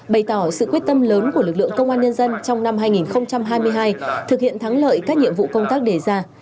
bày tỏ sự quyết tâm lớn của lực lượng công an nhân dân trong năm hai nghìn hai mươi hai thực hiện thắng lợi các nhiệm vụ công tác đề ra